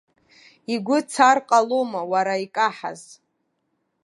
Игәы цар ҟалома, уара, икаҳаз.